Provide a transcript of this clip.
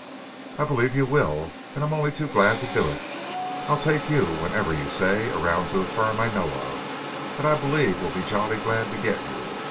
"I believe you will, and I'm only too glad to do it. I'll take you, whenever you say, around to a firm I know of, that I believe will be jolly glad to get you.